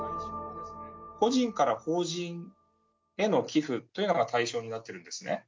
個人から法人への寄付というのが対象になってるんですね。